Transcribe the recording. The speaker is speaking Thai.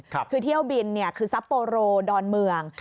คือเที่ยวบินคือซับโปโรดอนเมือง